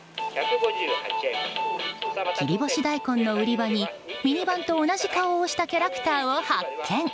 切り干し大根の売り場にミニ版と同じ顔をしたキャラクターを発見。